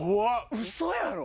ウソやろ⁉